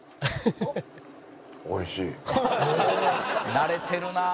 「慣れてるなあ」